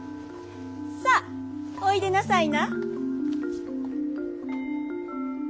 さあおいでなさいな。